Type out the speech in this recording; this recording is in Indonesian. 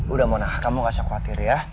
udah monah kamu gak usah khawatir ya